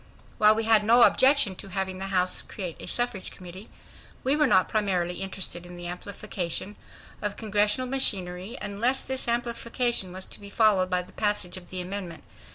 While we had no objection to having the House create a Suffrage Committee, we were not primarily interested in the amplification of Congressional machinery, unless this amplification was to be followed by the passage of the amendment.